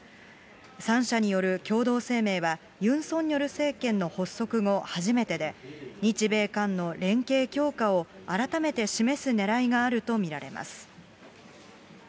３者による共同声明は、ユン・ソンニョル政権の発足後初めてで、日米韓の連携強化を、改めて示すねらいがあると見られます。